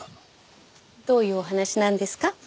どういうお話なんですか？